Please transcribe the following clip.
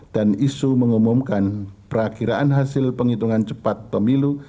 dan isu mengumumkan perakhiran hasil penghitungan cepat pemilu